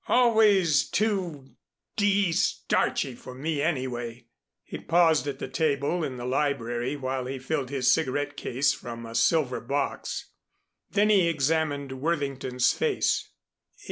Always too d starchy for me anyway." He paused at the table in the library while he filled his cigarette case from a silver box. Then he examined Worthington's face.